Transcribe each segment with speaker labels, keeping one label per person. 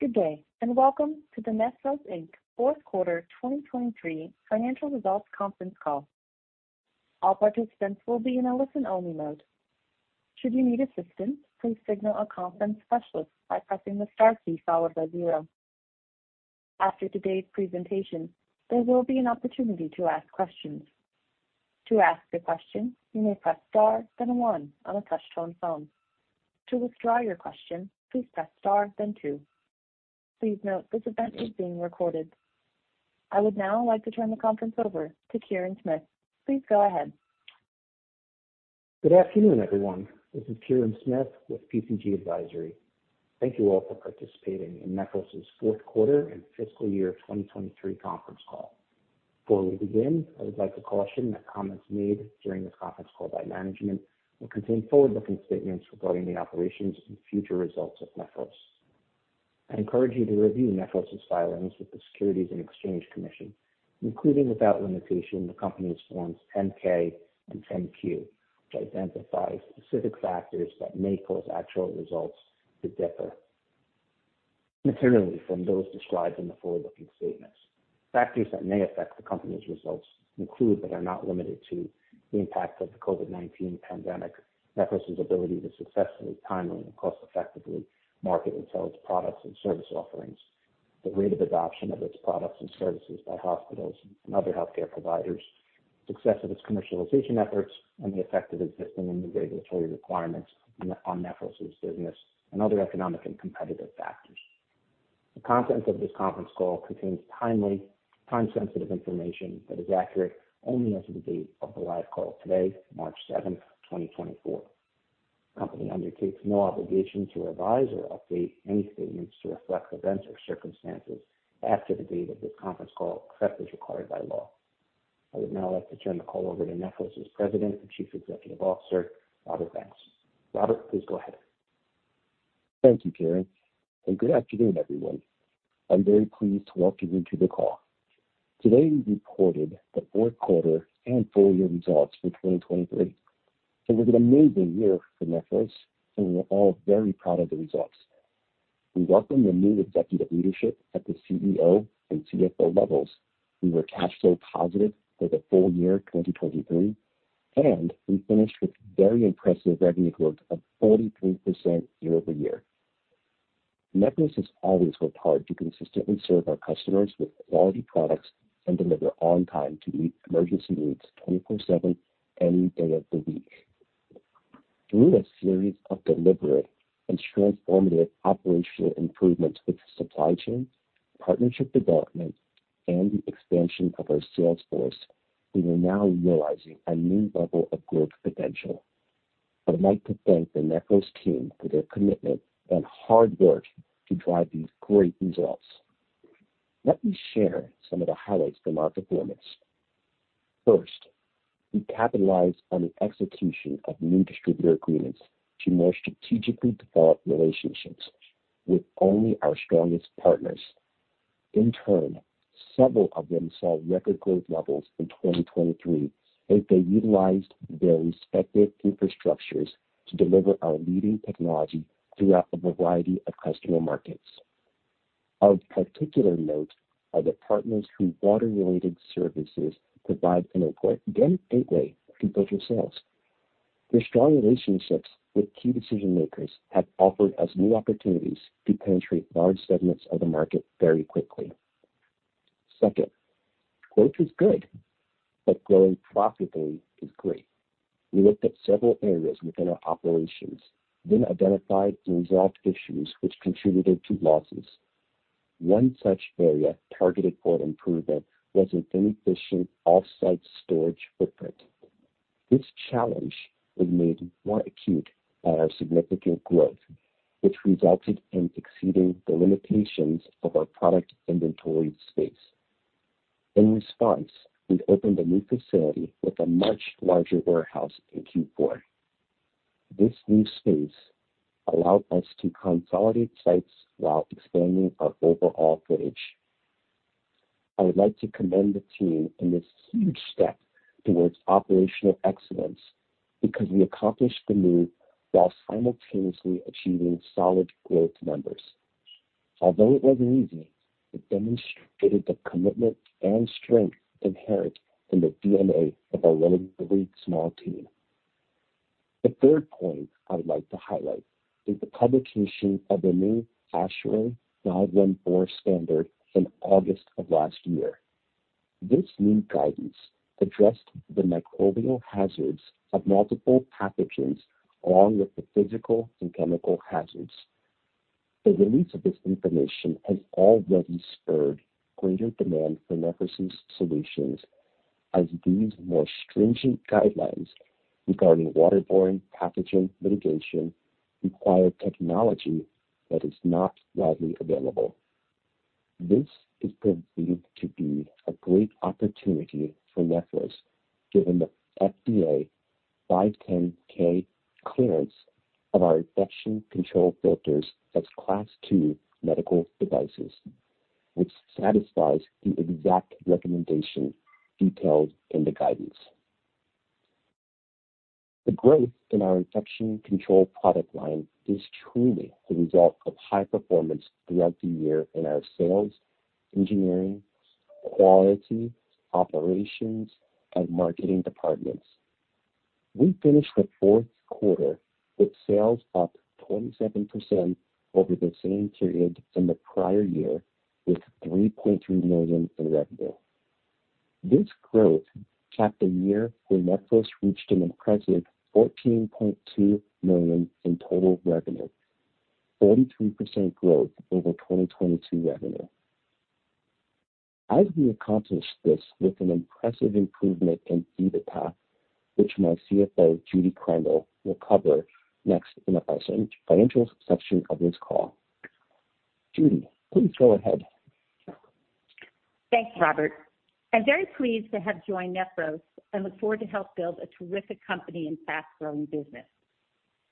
Speaker 1: Good day, and welcome to the Nephros Inc. fourth quarter 2023 financial results conference call. All participants will be in a listen-only mode. Should you need assistance, please signal a conference specialist by pressing the star key followed by zero. After today's presentation, there will be an opportunity to ask questions. To ask a question, you may press Star, then one on a touch-tone phone. To withdraw your question, please press Star, then two. Please note, this event is being recorded. I would now like to turn the conference over to Kirin Smith. Please go ahead.
Speaker 2: Good afternoon, everyone. This is Kirin Smith with PCG Advisory. Thank you all for participating in Nephros's fourth quarter and fiscal year 2023 conference call. Before we begin, I would like to caution that comments made during this conference call by management will contain forward-looking statements regarding the operations and future results of Nephros. I encourage you to review Nephros's filings with the Securities and Exchange Commission, including, without limitation, the company's Form 10-K and 10-Q, which identify specific factors that may cause actual results to differ materially from those described in the forward-looking statements. Factors that may affect the company's results include, but are not limited to, the impact of the COVID-19 pandemic, Nephros's ability to successfully, timely, and cost-effectively market and sell its products and service offerings, the rate of adoption of its products and services by hospitals and other healthcare providers, success of its commercialization efforts, and the effect of existing and new regulatory requirements on Nephros's business and other economic and competitive factors. The contents of this conference call contains timely, time-sensitive information that is accurate only as of the date of the live call today, March seventh, 2024. The company undertakes no obligation to revise or update any statements to reflect events or circumstances after the date of this conference call, except as required by law. I would now like to turn the call over to Nephros's President and Chief Executive Officer, Robert Banks. Robert, please go ahead.
Speaker 3: Thank you, Kirin, and good afternoon, everyone. I'm very pleased to welcome you to the call. Today, we reported the fourth quarter and full year results for 2023. It was an amazing year for Nephros, and we're all very proud of the results. We welcomed the new executive leadership at the CEO and CFO levels. We were cash flow positive for the full year 2023, and we finished with very impressive revenue growth of 43% year over year. Nephros has always worked hard to consistently serve our customers with quality products and deliver on time to meet emergency needs 24/7, any day of the week. Through a series of deliberate and transformative operational improvements with supply chain, partnership development, and the expansion of our sales force, we are now realizing a new level of growth potential. I'd like to thank the Nephros team for their commitment and hard work to drive these great results. Let me share some of the highlights from our performance. First, we capitalized on the execution of new distributor agreements to more strategically develop relationships with only our strongest partners. In turn, several of them saw record growth levels in 2023 as they utilized their respective infrastructures to deliver our leading technology throughout a variety of customer markets. Of particular note are the partners whose water-related services provide an important gateway to potential sales. Their strong relationships with key decision-makers have offered us new opportunities to penetrate large segments of the market very quickly. Second, growth is good, but growing profitably is great. We looked at several areas within our operations, then identified and resolved issues which contributed to losses. One such area targeted for improvement was an inefficient off-site storage footprint. This challenge was made more acute by our significant growth, which resulted in exceeding the limitations of our product inventory space. In response, we opened a new facility with a much larger warehouse in Q4. This new space allowed us to consolidate sites while expanding our overall footage. I would like to commend the team in this huge step towards operational excellence, because we accomplished the move while simultaneously achieving solid growth numbers. Although it wasn't easy, it demonstrated the commitment and strength inherent in the DNA of our relatively small team. The third point I'd like to highlight is the publication of the new ASHRAE Standard 514 in August of last year. This new guidance addressed the microbial hazards of multiple pathogens, along with the physical and chemical hazards. The release of this information has already spurred greater demand for Nephros's solutions, as these more stringent guidelines regarding waterborne pathogen mitigation require technology that is not widely available. This is perceived to be a great opportunity for Nephros, given the FDA 510(k) clearance of our Infection Control Filters as Class II medical devices, which satisfies the exact recommendation detailed in the guidance. The growth in our infection control product line is truly the result of high performance throughout the year in our sales, engineering, quality, operations, and marketing departments. We finished the fourth quarter with sales up 27% over the same period in the prior year, with $3.3 million in revenue. This growth capped a year where Nephros reached an impressive $14.2 million in total revenue, 43% growth over 2022 revenue. As we accomplished this with an impressive improvement in EBITDA, which my CFO, Judy Krandel, will cover next in our financial section of this call. Judy, please go ahead.
Speaker 4: Thanks, Robert. I'm very pleased to have joined Nephros and look forward to help build a terrific company and fast-growing business.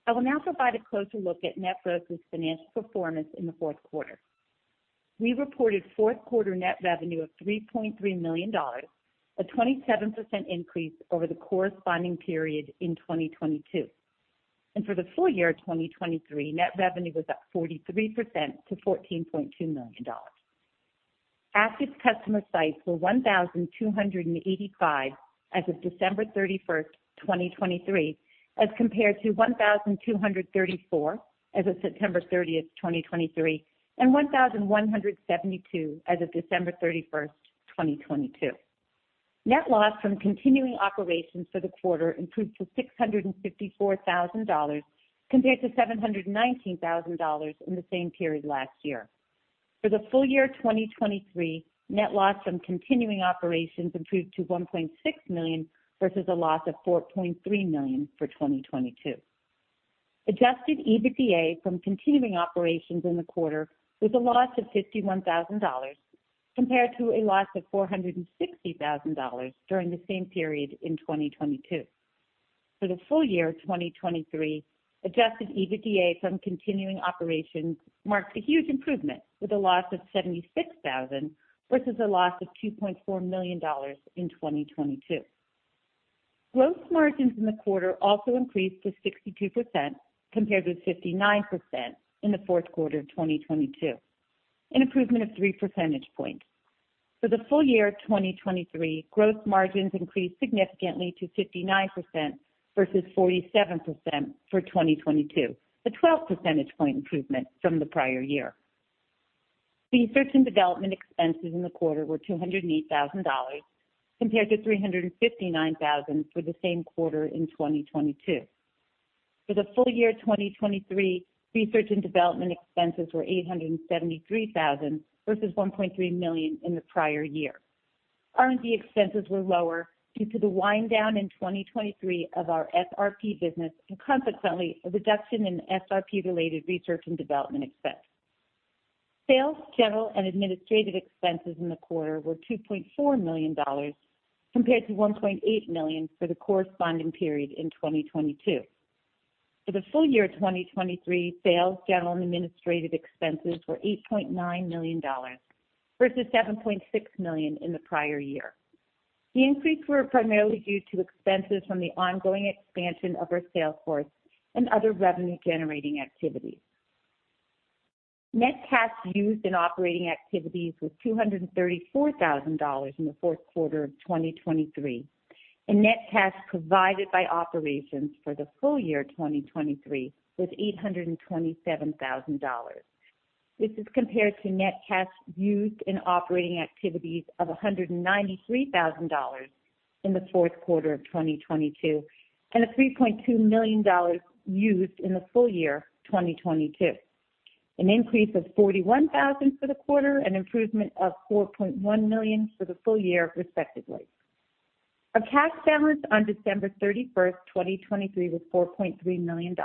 Speaker 4: I will now provide a closer look at Nephros's financial performance in the fourth quarter. We reported fourth quarter net revenue of $3.3 million, a 27% increase over the corresponding period in 2022. For the full year 2023, net revenue was up 43% to $14.2 million. Active customer sites were 1,285 as of December 31, 2023, as compared to 1,234 as of September 30, 2023, and 1,172 as of December 31, 2022. Net loss from continuing operations for the quarter improved to $654 thousand, compared to $719 thousand in the same period last year. For the full year 2023, net loss from continuing operations improved to $1.6 million, versus a loss of $4.3 million for 2022. Adjusted EBITDA from continuing operations in the quarter was a loss of $51,000, compared to a loss of $460,000 during the same period in 2022. For the full year 2023, adjusted EBITDA from continuing operations marked a huge improvement, with a loss of $76,000 versus a loss of $2.4 million in 2022. Gross margins in the quarter also increased to 62%, compared with 59% in the fourth quarter of 2022, an improvement of three percentage points. For the full year 2023, gross margins increased significantly to 59% versus 47% for 2022, a 12 percentage point improvement from the prior year. Research and development expenses in the quarter were $208,000, compared to $359,000 for the same quarter in 2022. For the full year 2023, research and development expenses were $873,000 versus $1.3 million in the prior year. R&D expenses were lower due to the wind down in 2023 of our SRP business and consequently, a reduction in SRP-related research and development expenses. Sales, general, and administrative expenses in the quarter were $2.4 million, compared to $1.8 million for the corresponding period in 2022. For the full year 2023, sales, general, and administrative expenses were $8.9 million, versus $7.6 million in the prior year. The increase were primarily due to expenses from the ongoing expansion of our sales force and other revenue-generating activities. Net cash used in operating activities was $234,000 in the fourth quarter of 2023, and net cash provided by operations for the full year 2023 was $827,000. This is compared to net cash used in operating activities of $193,000 in the fourth quarter of 2022, and $3.2 million used in the full year 2022, an increase of $41,000 for the quarter, an improvement of $4.1 million for the full year, respectively. Our cash balance on December 31, 2023, was $4.3 million,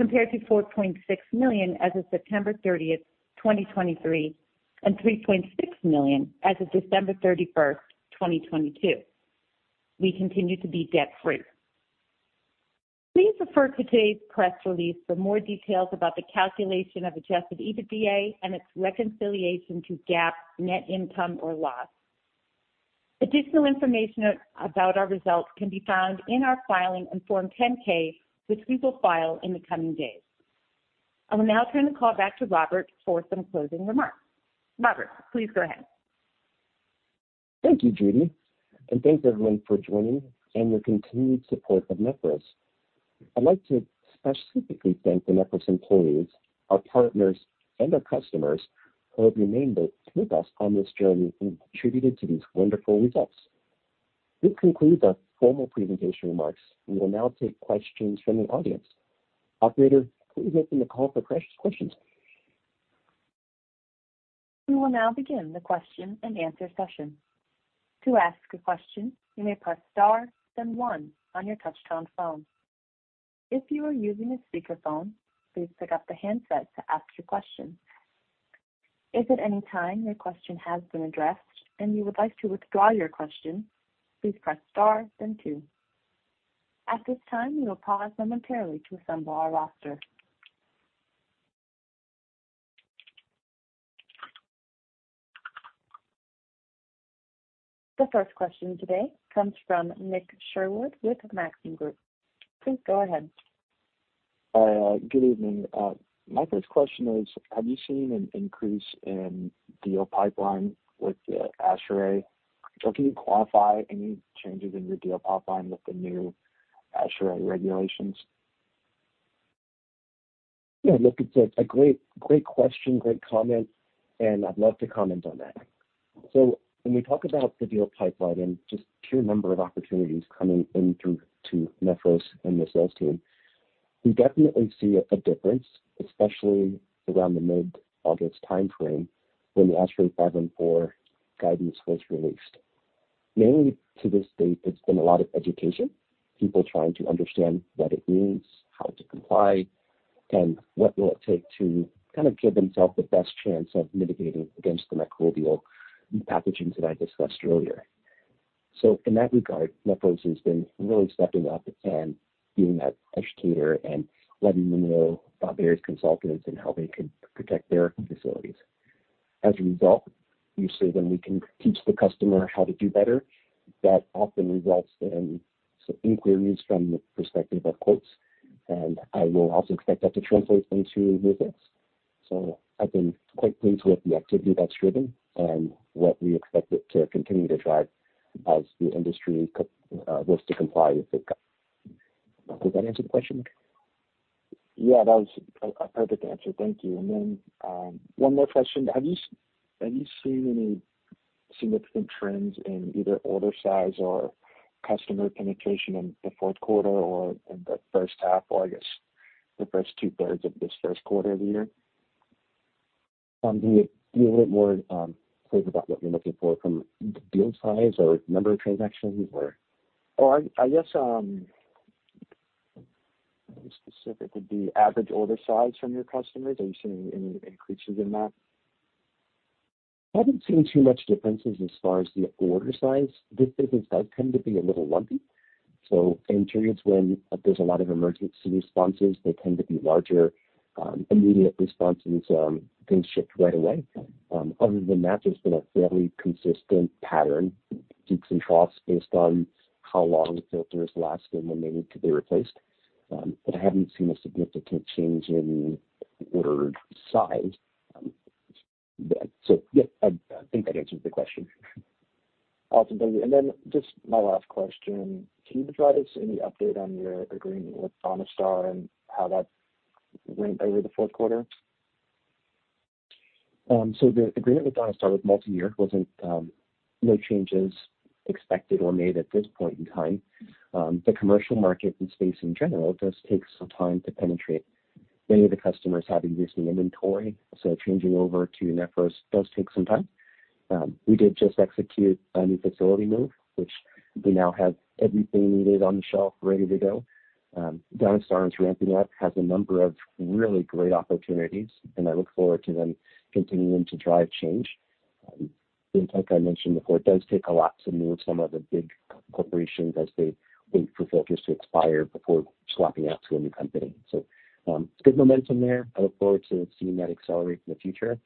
Speaker 4: compared to $4.6 million as of September 30, 2023, and $3.6 million as of December 31, 2022. We continue to be debt-free. Please refer to today's press release for more details about the calculation of Adjusted EBITDA and its reconciliation to GAAP net income or loss. Additional information about our results can be found in our filing in Form 10-K, which we will file in the coming days. I will now turn the call back to Robert for some closing remarks. Robert, please go ahead.
Speaker 3: Thank you, Judy, and thanks everyone for joining and your continued support of Nephros. I'd like to specifically thank the Nephros employees, our partners, and our customers who have remained with us on this journey and contributed to these wonderful results. This concludes our formal presentation remarks. We will now take questions from the audience. Operator, please open the call for press questions.
Speaker 1: We will now begin the question-and-answer session. To ask a question, you may press star, then one on your touchtone phone. If you are using a speakerphone, please pick up the handset to ask your question. If at any time your question has been addressed and you would like to withdraw your question, please press star then two. At this time, we will pause momentarily to assemble our roster. The first question today comes from Nick Sherwood with Maxim Group. Please go ahead.
Speaker 5: Good evening. My first question is, have you seen an increase in deal pipeline with the ASHRAE? Or can you qualify any changes in your deal pipeline with the new ASHRAE regulations?
Speaker 3: Yeah, look, it's a great, great question, great comment, and I'd love to comment on that. So when we talk about the deal pipeline and just pure number of opportunities coming in through to Nephros and the sales team, we definitely see a difference, especially around the mid-August timeframe, when the ASHRAE 514 guidance was released. Mainly to this date, it's been a lot of education, people trying to understand what it means, how to comply, and what will it take to kind of give themselves the best chance of mitigating against the microbial pathogens that I discussed earlier. So in that regard, Nephros has been really stepping up and being that educator and letting them know about various consultants and how they can protect their facilities. As a result, usually, when we can teach the customer how to do better, that often results in some inquiries from the perspective of quotes, and I will also expect that to translate into new business. So I've been quite pleased with the activity that's driven and what we expect it to continue to drive as the industry looks to comply with the... Does that answer the question, Nick?
Speaker 5: Yeah, that was a perfect answer. Thank you. And then, one more question: Have you seen any significant trends in either order size or customer penetration in the fourth quarter or in the first half, or I guess, the first two thirds of this first quarter of the year?
Speaker 3: Be a little bit more clear about what you're looking for, from deal size or number of transactions, or?
Speaker 5: Oh, I guess specific would be average order size from your customers. Are you seeing any increases in that?
Speaker 3: I haven't seen too much differences as far as the order size. This business does tend to be a little lumpy, so in periods when there's a lot of emergency responses, they tend to be larger, immediate responses, being shipped right away. Other than that, there's been a fairly consistent pattern, peaks and troughs, based on how long the filters last and when they need to be replaced. But I haven't seen a significant change in order size. So yeah, I think that answers the question.
Speaker 5: Awesome. Thank you. And then just my last question, can you provide us any update on your agreement with Donastar and how that went over the fourth quarter?
Speaker 3: So the agreement with Donastar was multiyear, wasn't. No changes expected or made at this point in time. The commercial market and space in general does take some time to penetrate. Many of the customers have existing inventory, so changing over to Nephros does take some time. We did just execute a new facility move, which we now have everything needed on the shelf ready to go. Donastar is ramping up, has a number of really great opportunities, and I look forward to them continuing to drive change. Like I mentioned before, it does take a lot to move some of the big corporations as they wait for filters to expire before swapping out to a new company. So, good momentum there. I look forward to seeing that accelerate in the future.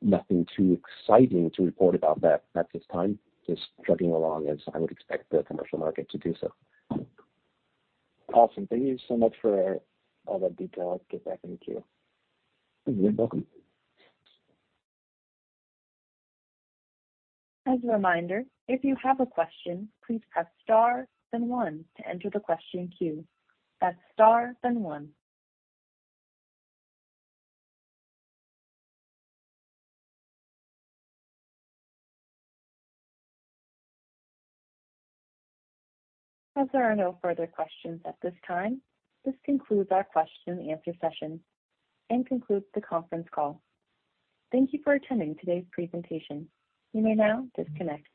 Speaker 3: Nothing too exciting to report about that at this time. Just chugging along as I would expect the commercial market to do so.
Speaker 5: Awesome. Thank you so much for all that detail. I'll get back in the queue.
Speaker 3: You're welcome.
Speaker 1: As a reminder, if you have a question, please press star then one to enter the question queue. That's star then one. As there are no further questions at this time, this concludes our question and answer session and concludes the conference call. Thank you for attending today's presentation. You may now disconnect.